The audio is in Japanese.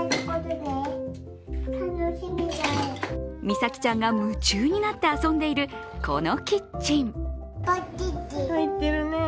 みさきちゃんが夢中になって遊んでいるこのキッチン。